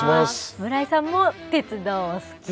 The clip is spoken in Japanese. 村井さんも鉄道お好き。